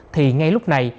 thì ngay lúc này